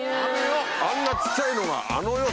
あんな小っちゃいのが「あのよぉ」